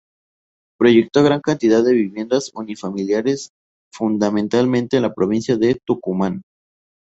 Proyectó gran cantidad de viviendas unifamiliares, fundamentalmente en la provincia de Tucumán.